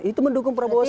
itu mendukung prabowo sandi